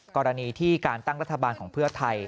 กรณีที่การตั้งรัฐบาลของเพื่อไทย